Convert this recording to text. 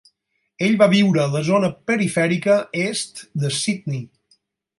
Ell va viure a la zona perifèrica est de Sydney.